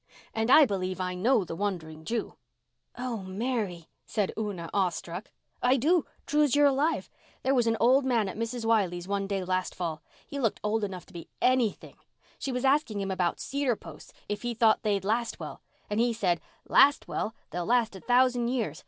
And I believe I know the Wandering Jew." "Oh, Mary," said Una, awe struck. "I do—true's you're alive. There was an old man at Mrs. Wiley's one day last fall. He looked old enough to be anything. She was asking him about cedar posts, if he thought they'd last well. And he said, 'Last well? They'll last a thousand years.